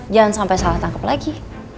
jangan sampai salah tangkep lagi